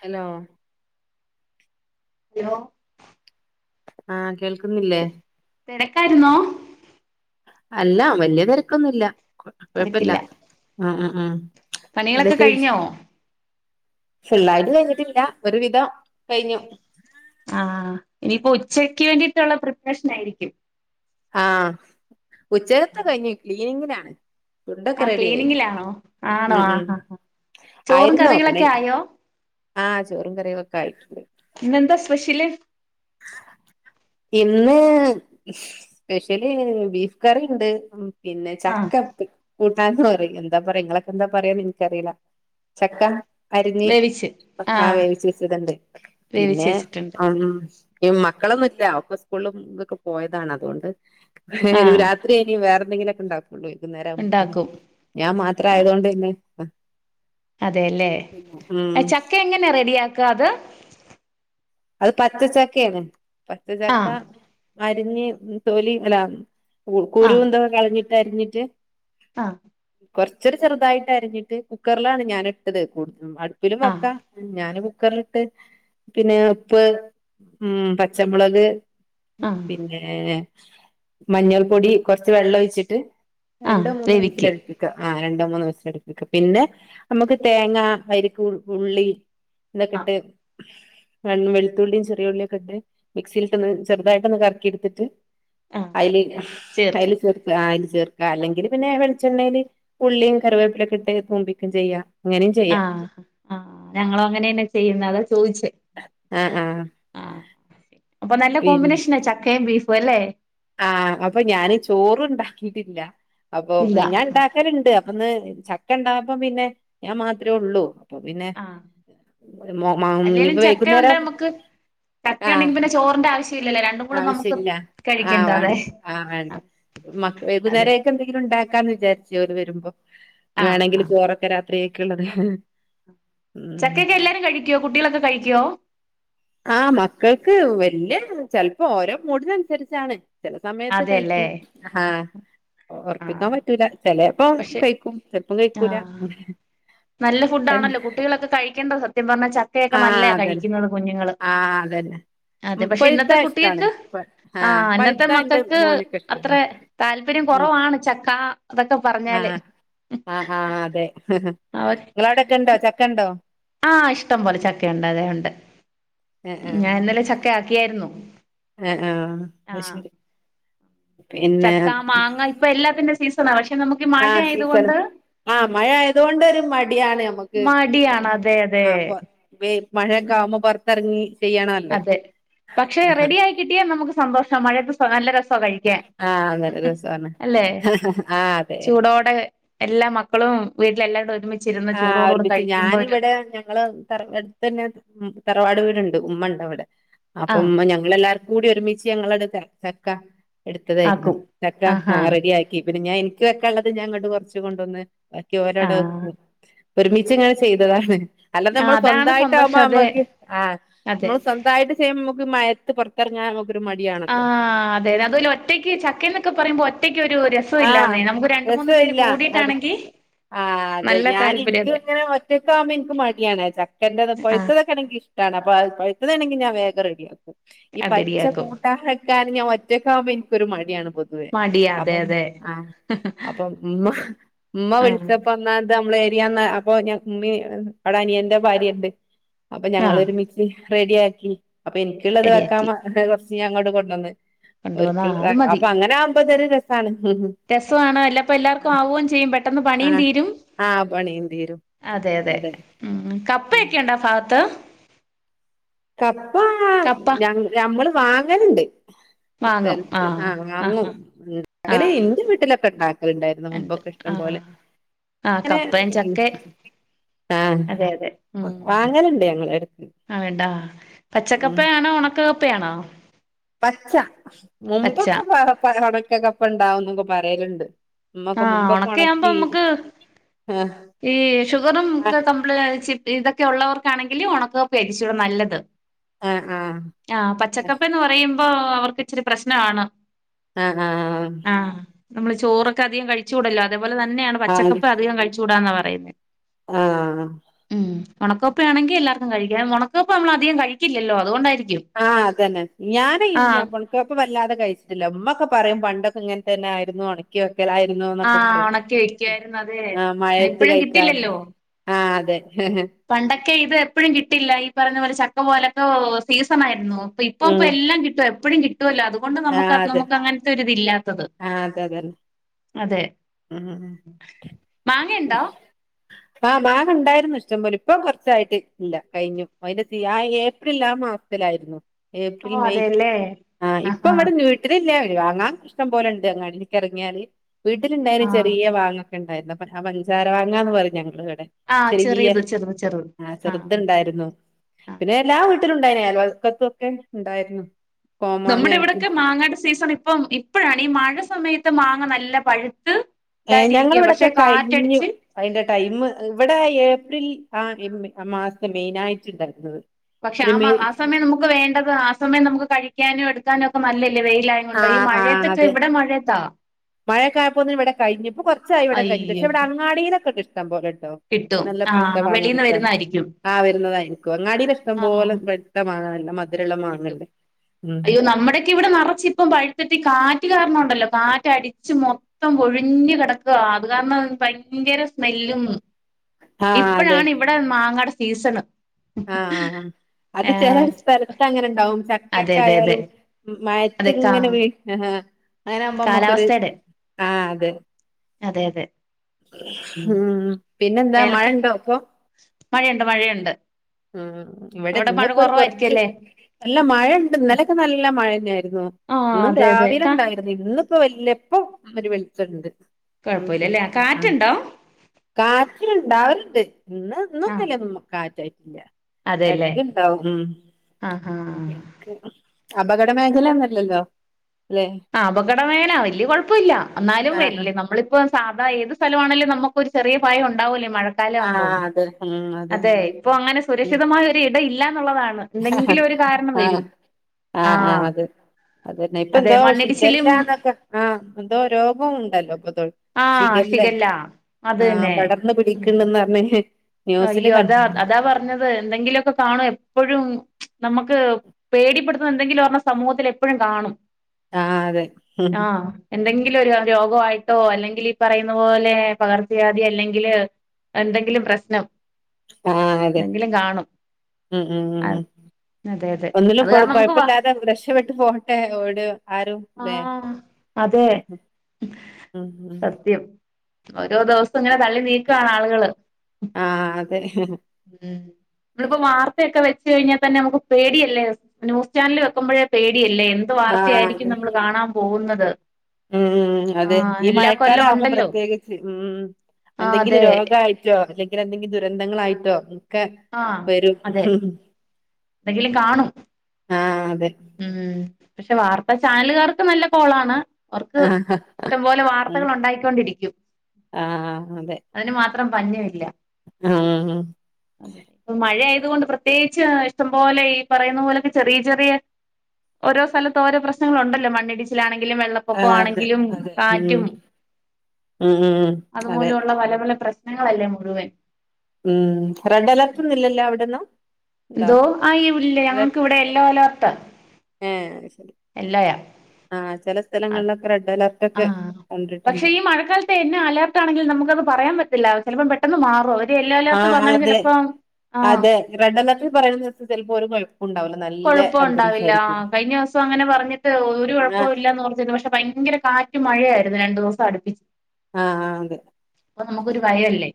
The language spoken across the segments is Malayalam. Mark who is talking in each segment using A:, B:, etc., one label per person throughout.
A: ഹലോ
B: ഹലോ
A: അ കേൾക്കു
B: ത് തിരക്കായിരുന്നോ
A: അല്ല വലിയ തിരക്കൊന്നുല്ല കൊഴപ്പില്ല
B: തിരക്കില്ല
A: ആ ആ ആ
B: പണികളൊക്കെ കഴിഞ്ഞോ
A: ഫുള്ളായിട്ട് കഴിഞ്ഞിട്ടില്ല ഒരു വിധം
B: ആ ഇനിയിപ്പോ ഉച്ചക്ക് വേണ്ടിയിട്ടുള്ള പ്രിപ്പറേഷൻ ആയിരിക്കും
A: ആ ഉച്ചകത്തെ കഴിഞ്ഞു ക്ലീനിങ്ങിനാണ് ഫുഡൊക്കെ
B: ആ
A: റെഡി ആയി
B: ക്ലീനിങ്ങിലാണോ ആണോ
A: ഉ ഉ
B: ആഹ് ആഹ് ചോറും
A: ആയിരുന്നോ പിന്നെ
B: കറികളൊക്കെ ആയോ
A: ആഹ് ചോറും കറിയൊക്കെ ആയിട്ടുണ്ട്
B: ഇന്നെന്താ സ്പെഷ്യല്
A: ഇന്ന് സ്പെഷ്യല് ബീഫ് കറി ഉണ്ട് പിന്നെ
B: ആഹ്
A: ചക്ക [unintelligible] [unintelligible] എന്താ പറയാ നിങ്ങളൊക്കെ എന്താ പറയാ എനിക്കറിയില ചക്കാ അരിഞ്ഞ്
B: വേവിച്ച്
A: ആ
B: ആഹ്
A: വേവിച്ചു വെച്ചതുണ്ട്
B: വേവിച്ച്
A: പിന്നെ
B: വെച്ചിട്ടുണ്ട്
A: [unintelligible] മക്കളൊന്നുമല്ല ഒപ്പ സ്കൂളും ഇക്കെ പോയതാണ് അതുകൊണ്ട്
B: ആഹ്
A: രാത്രി ഇനി വേറെ എന്തെങ്കിലൊക്കെ ഉണ്ടാക്കും വൈകുന്നേം ആവുമ്പോന്നെ
B: ഉണ്ടാക്കും
A: ഞാൻ മാത്രം
B: ആഹ്
A: ആയതുകൊണ്ട് പിന്നെ
B: അതെല്ലേ അ
A: ഉം
B: ചക്ക എങ്ങന റെഡിയാക്കുക അത്
A: അത് പച്ച ചക്കയാണ് പച്ച ചക്ക
B: ആഹ്
A: അരിഞ്ഞ് തോലി അല്ല
B: ആഹ്
A: കുരുന്തൊക്കെ കളഞ്ഞിട്ട് അരിഞ്ഞിട്ട്
B: ആഹ്
A: കുറച്ചൊരു ചെറുതായിട്ടരിഞ്ഞിട്ട് കുക്കറിലാണ് ഞാനിട്ടത് [unintelligible] അടുപ്പിലും
B: ആഹ്
A: വെക്കാം ഞാന്ങ്ങ് കുക്കറിലിട്ട് പിന്നെ ഉപ്പ് ഉം പച്ചമുളക്
B: ആഹ്
A: പിന്നേ മഞ്ഞൾ പൊടി കുറച്ച് വെള്ളം ഒഴിച്ചിട്ട്
B: ആഹ്
A: രണ്ടോ മൂന്നോ
B: വേവിക്കും
A: വിസിലടിപ്പിക്ക ആ ര രണ്ടോ മൂന്നൊ വിസിലടുപ്പിക്ക പിന്നെ നമുക്ക് തേങ്ങ, പരിപ്പ്, ഉള്ളി
B: ആഹ്
A: ഇതോക്കെയിട്ട് [unintelligible] വെളുത്തുള്ളിയും ചെറിയുള്ളിയൊക്കെ ഇട്ട് മിക്സിയിലിട്ട് ഒന്ന് ചെറുതായിട്ടൊന്നു കറക്കിയെടുത്തിട്ട്
B: ആഹ്
A: അയില്
B: ചേർക്കും
A: അയില് [unintelligible] ചേർക്ക അല്ലെങ്കില് പിന്നെ വെളിച്ചെണ്ണയില് ഉള്ളിയും കറിവേപ്പിലൊക്കെ ഇട്ട് തുംമ്പിക്കം ചെയ്യാം അങ്ങനെയും ചെയ്യാം
B: ആഹ് ആ ഞങ്ങളും അങ്ങനെന്നെ ചെയ്യുന്ന അതാ ചോദിച്ചേ
A: ആഹ് ആഹ്
B: ആഹ് അപ്പൊ നല്ല കോമ്പിനേഷനാ ചക്കയും ബീഫും അല്ലെ
A: ആഹ് അപ്പൊ ഞാന് ചോറും ഉണ്ടാക്കിട്ടില്ല അപ്പൊ
B: ഇല്ല
A: ഞാൻ ഉണ്ടാക്കലുണ്ട്. അന്ന് ചക്ക ഉണ്ടായപ്പോ പിന്നെ ഞാൻ മാത്രേ ഉള്ളൂ അപ്പൊ പിന്നെ
B: ആഹ്
A: മ മോ
B: അല്ലേലും
A: ഇനിപ്പ
B: ചക്ക ഉണ്ടേ
A: വൈകുന്നേരം
B: നമുക്ക് ചക്ക
A: ആഹ്
B: ഉണ്ടെങ്കി പിന്നെ ചോറിന്റെ ആവശ്യം ഇല്ലല്ലോ രണ്ടും കൂടെ നമുക്ക്
A: ആവശ്യമില്ല ആ
B: കഴിക്കണ്ട അതെ
A: വേണ്ട ആ വേണ്ട
B: അതെ
A: വൈകുന്നേരൊക്കെ എന്തെങ്കിലും ഉണ്ടാ ക്കാന്ന് വിചാരിച്ചു ഓര് വരുമ്പോ നി
B: ആഹ്
A: വേണെങ്കിൽ
B: ആഹ്
A: ചോറൊക്കെ രാത്രിയൊക്കെള്ളത്
B: ചക്കേക്കെ എല്ലാരും കഴിക്കുവോ കുട്ടികളൊക്കെ കഴിക്കുവോ
A: ആ മക്കൾക്ക് വല്യ ചെലപ്പോ ഓരോ മൂടിനനുസരിച്ചാണ് ചെല സമയത്ത്
B: അതെല്ലേ
A: കഴിക്കും ആഹ് ഉറപ്പിക്കാൻ
B: ആഹ്
A: പറ്റൂല ചെല പ്പോ
B: പക്ഷെ
A: കൈക്കും
B: ആഹ്
A: [unintelligible]
B: നല്ല ഫുഡ് ആണല്ലോ കുട്ടികളൊക്കെ കഴിക്കേണ്ട സത്യം പറഞ്ഞാ ച ചക്കേക്കെ
A: ആ
B: നല്ലെയാ
A: അതന്നെ
B: കഴിക്കുന്നത് കുഞ്ഞുങ്ങള്
A: ആ അതന്നെ
B: അതെ
A: ഉം
B: പക്ഷെ
A: പഴുത്ത
B: ഇന്നത്തെ
A: ഇഷ്ടാണ്
B: കുട്ടികൾക്ക്
A: പ-
B: ആ ഇന്നത്തെ
A: പഴുത്ത എന്റെ
B: മക്കൾക്ക്
A: മോനൊക്കെ ഇഷ്ടാ
B: അത്ര താല്പര്യം
A: ഉം
B: കുറവാണ് ചക്കാ അതൊക്കെ പറഞ്ഞാല്
A: ആഹ് ആ അതെ
B: അവർ
A: നിങ്ങളവിടൊക്കെ ഉണ്ടോ ചക്ക ഉണ്ടോ
B: ആഹ് ഇഷ്ടം പോലെ ചക്കേണ്ട് അതെ ഉണ്ട്
A: ആ ആ
B: ഞാൻ ഇന്നലെ
A: ശരി
B: ചക്കയാക്കിയായിരുന്നു
A: ആ ആ അത്
B: ആഹ്
A: ശരി പിന്നെ
B: ചക്ക മാങ്ങ ഇപ്പൊ എല്ലാത്തിന്റെ സീസണാ പക്ഷെ നമുക്ക് ഈ മഴ ആയത് കൊണ്ട്
A: ആഹ് മഴ ആയതുകൊണ്ടൊരു മടിയാണ് നമ്മക്ക്
B: മടിയാണ് അതെ അതെ
A: ആ അപ്പൊ മഴേക്കെ ആവുമ്പോ പൊറത്തിറങ്ങി
B: അതെ പക്ഷെ റെഡി ആയി കിട്ടിയാൽ നമുക്ക് സന്തോഷാ മഴയത്ത് നല്ല രസാ കഴിക്കാൻ
A: ആ നല്ല രസമാണ്
B: അല്ലെ
A: ആ അതെ
B: ചൂടോടെ എല്ലാ മക്കളും വീട്ടിലെ എല്ലാരും ഒരുമി
A: ആഹ് ഒരുമിച്ച് ഞാനിവിടെ ഞങ്ങള് തറ എട്ത്തെന്നെ തറവാട് വീടു ണ്ട് ഉമ്മണ്ടൊവ്ടെ അപ്പം
B: ആഹ്
A: ഇമ്മ ഞങ്ങളെല്ലാർക്കും കൂടി ഒരുമിച്ച് ഞങ്ങളാട് ചക്ക എട്ത്തതേര്ന്നു
B: ആക്കും
A: ചക്ക
B: ആഹാ
A: ആഹ് റെഡിയാക്കി പിന്നെ ഞാൻ ഇൻക്ക് വെക്കാള്ളത് ഞാ ങ്ങട്ട് കൊർച്ച് കൊണ്ടോന്ന് ബാക്കി ഓരോട
B: ആഹ്
A: വെക്കും. ഒരുമിച്ചിങ്ങനെ ചെയ്തതാണ്. അല്ലാതെ
B: ആഹ്
A: മ്മള്
B: അതാണ്
A: സ്വന്തായിട്ട ആമ്പോ
B: സന്തോഷം അതെ
A: അമ്മക്ക് ആ
B: അതെ
A: മ്മള് സ്വന്തായിട്ട് ചെയ്യുമ്പ മ്മക്ക് മ ഴക്ക് പൊർത്തെർങ്ങാ
B: ആഹ് അതെ അതെ അതോലെ ഒറ്റയ്ക്ക് ചക്ക എന്നൊക്കെ പറയുമ്പോ ഒറ്റക്ക് ഒരു ര
A: ആഹ്
B: സ്വല്ലാന്നേ നമുക്ക് രണ്ട്, മൂന്ന് പേര്
A: രസമില്ല അത്
B: കൂടിയിട്ടാണെങ്കി
A: ആഹ് അതെ
B: നല്ല
A: ഞാന്
B: താല്പര്യം
A: ഇൻക്ക്
B: അതെ
A: ഇങ്ങനെ ഒറ്റക്കാമ്പം ഇൻക്ക് മടിയാണ്. ചക്കന്റെത്
B: ആഹ്
A: പഴുത്തതൊക്കാണെങ്കി ക്കാണ പ പഴു ത്തതാണെങ്കി ഞാ വേഗം റെഡിയാക്കും. ഈ
B: അത്
A: പച്ച
B: റെഡിയാക്കും
A: കൂട്ടാ വെക്കാന് ഞാൻ ഒറ്റയ്ക്കാവുമ്പോ ഇൻക്കൊരു മടിയാണ്. പൊതുവേ
B: മടിയാ അതെ
A: അപ്പം
B: അതെ
A: ആഹ് അപ്പം ഉമ്മ
B: അതെ
A: ഉമ്മ
B: ആഹ്
A: വിളിച്ചപ്പോന്നാത് നമ്മള് ഞാന്ന് അപ്പൊ ഞ ഉമ്മി അനിയന്റെ ഭാര്യുണ്ട് അപ്പൊ ഞങ്ങള്
B: ആഹ്
A: ഒരുമിച്ച് റെഡിയാക്കി. അപ്പൊ എനിക്കുള്ളത് വെക്കാ
B: റെഡിയാക്കി
A: കുറച്ച് ഞാൻ അങ്ങോട്ട് കൊണ്ടുവന്ന്. ഒരു
B: കൊണ്ടുവന്നാ
A: അപ്പൊ അങ്ങനെ ആവമ്പത്തിനു ഒരു രസാണ്.
B: രസമാണോ എല്ലാപ്പ എല്ലാർക്കും ആവുകയും ചെയ്യും പെട്ടെന്ന് പണിയും
A: ആഹ്
B: തീരും.
A: ആഹ് പണിയും തീരും
B: അതെ അതെ ഉം
A: ഉം
B: കപ്പയക്കെയുണ്ടോ ആ ഭാഗത്ത്.
A: കപ്പ
B: കപ്പ
A: ഞ ഞമ്മള് വാങ്ങലുണ്ട്.
B: [inaudible]
A: സ്ഥലത്ത് ആ
B: ആഹ്
A: വാങ്ങും.
B: ആഹ് ആഹ്
A: ഇണ്ടാക്കല്
B: ആഹ്
A: എന്റെ വീട്ടിലൊക്കെ ഉണ്ടാക്കലുണ്ടായിരുന്നു
B: ഉണ്ട്
A: മുമ്പൊക്കെ ഇഷ്ടം
B: ആഹ്
A: പോലെ
B: ആഹ്
A: അനെ
B: കപ്പയും ചക്കയും
A: ആഹ്
B: അതെ അതെ ഉം
A: വാങ്ങലുണ്ട് ഞങ്ങള് എടക്ക്.
B: ആ വേണ്ടാ
A: ഉം
B: പച്ചക്കപ്പയാണോ? ഉണക്കക്കപ്പയാണോ?
A: പച്ച
B: പച്ച
A: മുമ്പൊക്കെ പ ഒണക്കക്കപ്പ ഇണ്ടാവുംന്നൊക്കെ പറയലുണ്ട്. ഉമ്മക്ക
B: ആഹ്
A: മുമ്പക്കെ
B: ഉണക്കയാവുമ്പോ
A: ഒണക്കി
B: നമുക്ക് ഈ
A: ആഹ്
B: ഷുഗറുംക്കെള ഇതൊക്കെ ഉള്ളവർക്കാണെങ്കില് ഉണക്കകപ്പെ കൊറച്ചൂട നല്ലത്.
A: ആഹ് ആഹ്
B: ആഹ് പച്ചക്കപ്പന്ന് പറയുമ്പോ അവർക്ക് ഇച്ചരി പ്രശ്നാണ്.
A: ആഹ് ആഹ്.
B: നമ്മള് ചോറൊക്കെ അധികം കഴിച്ചുകൂടല്ലോ അതേപോലെ തന്നെയാണ് പച്ചക്കപ്പെ
A: ആഹ്
B: അധികം കഴിച്ചുടാന്നാ പറയുന്നെ.
A: ആഹ്
B: ഒണക്കപ്പയാണെങ്ക എല്ലാർക്കും കഴിക്കാം ഒണക്കപ്പ നമ്മള അധികം കഴിക്കില്ലല്ലോ അതൊണ്ടായിരിക്കും
A: ആഹ് അതന്നെ ഞാന് ഉണക്കക്കപ്പ വല്ലാതെ കഴിച്ചിട്ടില്ല ഉമ്മൊക്കെ പറയും പണ്ടൊക്കെ ഇങ്ങനെ തന്നെ ആയിരുന്നു ഒണക്കി ആയിരുന്നു എന്നൊക്കെ
B: ആഹ്
A: പറു
B: ഉണക്കി വെക്കുവായിരുന്നു അതെ
A: ആ മഴേത്ത്
B: ഇപ്പഴും
A: കഴിക്കാന്
B: കിട്ടില്ലല്ലോ
A: ആ അതെ.
B: പണ്ടൊക്കെ ഇത് എപ്പോഴും കിട്ടില്ല ഈ പറഞ്ഞ പോലെ ചക്ക പോലെയൊക്കെ സീസൺ ആയിരുന്നു. അപ്പ ഇപ്പ ഇപ്പൊ എല്ലാം കിട്ടും. എപ്പോഴും കിട്ടുമല്ലോ അതുകൊണ്ട് നമക്ക് നമുക്ക് അങ്ങനത്തെ ഒരിതില്ലാ.
A: ആഹ് അതെ അതല്ലെ.
B: അതെ.
A: ഉം
B: മാങ്ങ ഉണ്ടോ?
A: ആഹ് മാങ്ങ ഉണ്ടായിരുന്നു. ഇഷ്ടംപോലെ ഇപ്പൊ കുറച്ചായിട്ട് ഇല്ല കഴിഞ്ഞു അതിന്റെ ആ ഏപ്രിൽ ആ മാസത്തിലായിരുന്നു
B: ഓ
A: ഏപ്രിൽ മെയ്
B: അതെല്ലേ
A: ആ ഇപ്പ
B: ആഹാ
A: ഇവിടെ വീട്ടിലില്ല. വാങ്ങാൻ ഇഷ്ടം പോലെ ഉണ്ട് അങ്ങ എനിക്ക ഇറങ്ങിയാല് വീട്ടിലിണ്ടായും
B: ആഹ്
A: ചെറിയ മാങ്ങൊക്കെ ഉണ്ടായിരുന്നു. ആ പഞ്ചാര മാങ്ങാന്ന് പറയും ഞങ്ങള് കേ
B: ആഹ്
A: ചെറിയ
B: ചെറിയത് ചെറുത് ചെറുത്
A: ആ
B: ആഹ്
A: ചേർത്ണ്ടായിരുന്നു.
B: ആഹ്
A: പിന്നെ എല്ലാ വീ ഉണ്ടായിനല്ലോകത്തൊക്കെ ഉണ്ടായിരുന്നു.
B: നമ്മുടെ
A: കോമാങ്ങായിട്ട്
B: ഇവിടെയൊക്കെ മാങ്ങായുടെ സീസൺ ഇപ്പം ഇപ്പോഴാണ് ഈ മഴ സമയത്ത് മാങ്ങ നല്ല പഴുത്ത്
A: ഏ ഞങ്ങള
B: ഇതായിട്ടിരിക്കുക
A: ഇവിടെക്കെ
B: പക്ഷെ
A: കഴിഞ്ഞു.
B: കാറ്റടിച്ച്
A: അതിന്റെ ടൈം ഇവിടെ ഏപ്രിൽ ആ ആ മാസത്തെ മെയിനായിട്ടും ഉണ്ടാരുന്നത്.
B: പക്ഷെ ആ ആ സമയം നമുക്ക് വേണ്ടത് ആ സമയം നമുക്ക് കഴിക്കാനോ എടുക്കാനും ഒക്കെ നല്ല വെയിലായ കൊണ്ടോ ഈ മഴയത്തൊക്കെ ഇവിടെ മഴയത്താ.
A: മഴയക്ക ആയപ്പോത്തിന് ഇവിടെ കഴിഞ്ഞ് ഇപ്പോ കുറച്ചായി ഇവിടെ കഴിട്ട്
B: അയ്യോ
A: പക്ഷെ ഇവി അങ്ങാടീലോക്കെ ഇണ്ട് ഇഷ്ട്ടം പോലെ [unintelligible]
B: കിട്ടും
A: നല്ല പൊഴിത്താ
B: ആഹ്
A: മങ്ങ
B: വെളീന്ന്
A: കിട്ടാൻ
B: വരുന്നായിരിക്കും
A: ആ വരുന്നതായിരിക്കും അങ്ങാടിലിഷ്ടം പോലെ വക്തമാകല്ല.
B: ട്ടും അയ്യോ നമ്മുടെക്കെ ഇവിടെ നെറച്ച് ഇപ്പം പഴുത്തിറ്റി കാറ്റ് കാരണംണ്ടല്ലോ കാറ്റടിച്ചു മൊത്തം പൊഴിഞ്ഞ് കിടക്ക അത് കാരണം ഭയങ്കര സ്മെല്ലും
A: ആ
B: ഇപ്പഴാണ് ഇവിടെ മാങ്ങടെ സീസണ്.
A: ആഹ് ആ ആ അത് ചെല
B: ഏഹ്
A: സ്ഥലത്ത് അങ്ങനെ ഉണ്ടാവും.
B: അതെ അതെ അതെ
A: ട്ടക്കായാലും ആയാലും മയത്തി
B: അതെ കാ
A: ഇങ്ങനെവെ [unintelligible] അങ്ങനാവുമ്പോ നമ്മുക്കൊരു
B: കാലാവസ്ഥയുടെ
A: ആ അതെ.
B: അതെ അതെ
A: ഉം പിന്നെന്താ മഴ
B: വേനൽക്ക
A: ഉണ്ടോ പ്പൊ?
B: മഴയുണ്ട് മഴയുണ്ട്
A: ഉ ഇവിടെ
B: അവിടെ
A: ഇന്ന
B: മഴ
A: ഇപ്പോ ഒരു കുറച്ച്
B: കുറവായിരിക്കുംല്ലേ
A: നല്ല മഴുണ്ട് ഇന്നലക്കെ നല്ലല്ല മഴ- തന്നെയായിരുന്നു
B: ആഹ്
A: ഇന്നും
B: അതെ അതെ
A: രാവിലെ
B: കാ
A: ഉണ്ടായിരുന്നു ഇന്നിപ്പോ വല്ല ഇപ്പ അവര് വിളിച്ചിട്ടുണ്ട്
B: കൊഴപ്പല്ലല്ലേ
A: ഉ
B: കാറ്റുണ്ടോ
A: കാറ്റുണ്ടാവരുണ്ട് ഇന്ന്
B: ആഹ്
A: ഇന്നൊന്നല്ല കാറ്റായിട്ടില്ല
B: അതെല്ലേ
A: എടക്കണ്ടാവും
B: ആഹ് ആഹ്
A: എടക്ക് അപകട മേഖലൊന്നല്ലല്ലോ
B: ആ അപകടം വേന വല്യ കുഴപ്പമില്ല എന്നാലും
A: ആ
B: വല് നമ്മളിപ്പ- അതാ ഏത് സ്ഥലമാണെലും നമുക്കൊ ഒരു ചെറിയ ഭയം ഉണ്ടാവൂലേ മഴക്കാലം
A: ആ ആ
B: ആവുമ്പോം
A: അതെ ഉം
B: അതെ ഇപ്പൊ അങ്ങനെ
A: ഉം.
B: സുരക്ഷിതമായ ഒരു ഇട ഇല്ല ുള്ളതാണ് എന്തെങ്കിലും ഒരു കാരണം
A: ആ
B: വരും
A: ആ ആ
B: ആഹ്
A: അതെ അതന്നെ ഇപ്പ എന്തോ ശിഖല്ലന്നൊക്കെ ആ എന്തോ രോഗവും ഉണ്ടല്ലോ പ്പ ത്തോൾ ശഖല്ല
B: ശികല്ല
A: ആ പടർന്ന് പിടിക്ണ്ടന്ന് പറഞ്ഞ
B: അയ്യോ അതാ അതാ പറഞ്ഞത് എന്തെങ്കിലുമൊക്കെ കാണോ എപ്പോഴും [unintelligible] നമുക്ക് പേടിപ്പെടുത്തുന്ന എന്തെങ്കിലും പറഞ്ഞ സമൂഹത്തിൽ എപ്പോഴും കാണും
A: ആ അതെ
B: [unintelligible] രോഗയിട്ടോ അല്ലെങ്കിൽ ഈ പറയുന്ന പോലെ പകർച്ചവാധി അല്ലെങ്കില് എന്തെങ്കിലും പ്രശ്നം ന്തെങ്കിലും കാണും
A: മ് മ് മ് മ്
B: ആഹ് അതെ അതെ
A: ഒന്നിലും
B: അത്
A: കൊ
B: കാരണം നമുക്ക് വാ
A: കൊഴപ്പില്ലാതെ രക്ഷപെട്ട് പോകട്ടെ ഓട് ആരും ല്ലെ
B: ആഹ് അതെ
A: [unintelligible]
B: സത്യം ഓരോ ദിവസം ഇങ്ങനെ തള്ളി നീക്കാണ് ആളുകള്.
A: ആഹ് അതെ
B: മ് മ്മളിപ്പോ വാർത്ത ക്കെ വെച്ച് കഴിഞ്ഞാ തന്നെ നമക്ക് പേടിയല്ലേ ന്യൂസ് ചാനല് വക്ക്മ്പോഴേ പേടി ല്ലേ എന്ത്
A: ആഹ്
B: വാർത്തയായിരിക്കും
A: അതെ
B: നമ്മള് കാണാൻ പോകുന്നത്.
A: ഉം ഉം അതെ
B: ആഹ്
A: ഈ
B: എല്ലാ
A: മഴക്കാലം
B: കൊല്ലം
A: ആമ്പോ
B: ഉണ്ടല്ലോ
A: പ്രത്യേകിച്ച് മ്.
B: ആഹ്
A: എന്തെങ്കിലും
B: അതെ
A: രോഗായിട്ടോ അല്ലെങ്കിൽ എന്തെങ്കിലും ദുരന്തങ്ങളായിട്ടോ ക്കെ
B: ആഹ്
A: വരും.
B: അതെ എന്തെങ്കിലും കാണും.
A: ആഹ് അതെ
B: മ് പക്ഷെ വാർത്താ ചാനലുകാർക്ക് നല്ല കോളാണ്. അവർക്ക്
A: ആഹ്
B: ഇഷ്ടംപോലെ വാർത്തകൾ ഉണ്ടായിക്കൊണ്ടിരിക്കും
A: ആഹ് അതെ
B: അതിന് മാ അത്രം പഞ്ഞല്ല.
A: ആഹ്
B: അദെന്നെ ഇപ്പൊ മഴ ആയ കൊണ്ട് പ്രത്യേകിച്ച് ഇഷ്ടംപോലെ ഈ പറയുന്ന പോലെക്കെ ചെറിയ ചെറിയ ഓരോ സ്ഥലത്ത് ഓരോ പ്രശ്നങ്ങളുണ്ടല്ലോ മണ്ണിടിച്ചിലാണെ വെള്ളപ്പൊക്ക
A: അതെ
B: ആണെങ്കിലും
A: അതെ ഉം
B: കാറ്റും
A: ഉം ഉം അതെ
B: അതുമൂലുള്ള പല പല പ്രശ്നങ്ങളല്ലേ മുഴുവൻ.
A: മ് റെഡ് അലർട്ടന്നുല്ലല്ലോ അവിടെന്നും.
B: എന്തോ അയ്വുല്ലേ ഞങ്ങൾക്ക് ഇവിടെ യെല്ലോ അലേർട്ട.
A: ഏ ശരി ആ ചില സ്ഥലങ്ങളിലൊക്കെ റെഡ് അലർട്ട്
B: ആ
A: ഒക്കെ
B: പക്ഷെ
A: കണ്ടിട്ടുണ്ട്
B: ഈ മഴക്കാലത്തന്നെ അലേർട്ടണെങ്കിലും നമുക്കത് പറയാൻ പറ്റില്ല. ചെലപ്പം പെട്ടെന്ന് മാറും. യെല്ലോ
A: ആ
B: അലേർട്ട് പറഞ്ഞാലും
A: അതെ
B: ചിലപ്പം ആഹ്
A: അതെ റെഡലേർട്ടിൽ പറയുന്നട്ത് ചെലപ്പോ ഒരു കൊഴപ്പം ഉണ്ടാവല
B: കുഴപ്പോണ്ടാവില്ല കഴിഞ്ഞ ദിവസങ്ങനെ പറഞ്ഞിട്ട് ഒരു
A: ആഹ്
B: കുഴപ്പവുല്ലന്ന് പറഞ്ഞ് പക്ഷെ ഭയങ്കര കാ മഴയായിരുന്നു രണ്ടുസം അടുപ്പിച്.
A: ആഹ് അതെ
B: അപ്പൊ നമുക്കൊരു വയല്ലേ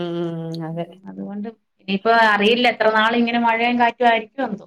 A: ഉം അതെ
B: അതുകൊണ്ട് ഇനിയിപ്പ അറിയില്ല എത്രനാള് ഇങ്ങനെ മഴയും കാറ്റുയിരിക്കും എന്തോ.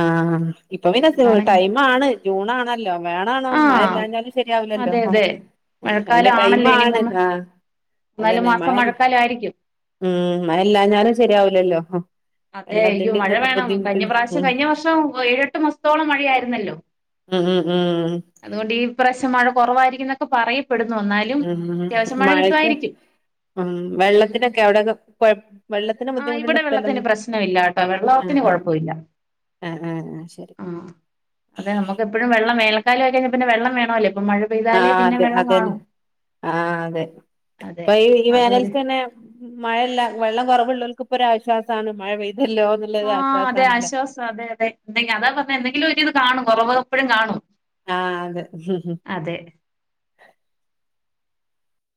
A: ആഹ് ഇപ്പൊവിനന്നേ
B: എന്താണെങ്കി
A: ടൈം ആണ് ജൂണണല്ലോ. വേണണം
B: ആഹ്
A: മഴല്ലഞ്ഞാലും ശരിയാവില്ലല്ലോ.
B: അതെ അതെ
A: അയ്ന്റെ
B: മഴക്കാലം
A: ടൈം
B: ആണല്ലോ ഇനി
A: ആണ്
B: മൂന്ന്
A: ആ
B: മൂന്നാല്
A: അതന്നെ മഴ
B: മാസം മഴക്കാലം ആയിരിക്കും
A: ഉം മഴല്ലാഞ്ഞാലും ശരിയാവുലല്ലോ.
B: അതെ യ്യോ മഴ വേണം കഴിഞ്ഞ പ്രാവശ്യ ക്ഷെ
A: ഉം
B: കഴിഞ്ഞവർഷം ഏഴെട്ട് മാസത്തോളം മഴയായിരുന്നല്ലോ.
A: ഉം ഉം ഉം
B: അതുകൊണ്ട് ഈപ്രാവിശ്യം മഴ കുറവായിരിക്കുന്നൊക്കെ പറയും
A: മ് മ് മഴക്ക് മ് വെള്ളത്തിനൊക്കെ അവ്ടെകെ കൊയ് വെള്ളത്തിന്
B: ആഹ് ഇവിടെ
A: ബുദ്ധിമുട്ടുള്ള സ്ഥലം
B: വെള്ളത്തിന് പ്രശ്നമില്ലാട്ടോ
A: ആ
B: വെള്ളത്തിന്
A: ആ.
B: കുഴപ്പമില്ല
A: ആ ആ ആ ശരി.
B: അത നമ്മക്കപ്പഴും വെള്ളം വേനൽകാലായ്കഴിഞ്ഞാ പിന്നെ വെള്ളം വേണല്ലോ.
A: ആ അതെ അതന്നെ ആഹ് അതെ
B: അതെ
A: ഇപ്പൊ ഈ ഈ
B: അതൊരു
A: വേനൽക്കന്നെ മഴയല്ല വെള്ളം കുറവ് ഓല്ക് രു ആശ്വസാണ് മഴ പെയ്
B: ആ അതെ ആശ്വാസം അതെ അതെ ന്തെ അതാ പറഞ്ഞ എന്തെങ്കിലും ഒരു ഇത് കാണും കുറവപ്പോഴും കാണും.
A: ആ അതെ.
B: അതെ